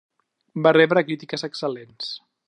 Va rebre crítiques excel·lents.